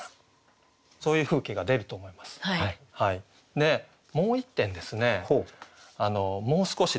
でもう１点ですねもう少しですね